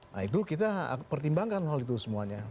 nah itu kita pertimbangkan hal itu semuanya